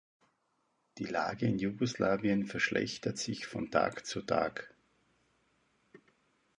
Die Lage in Jugoslawien verschlechtert sich von Tag zu Tag.